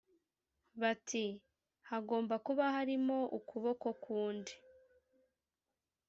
bati hagomba kuba harimo ukuboko kundi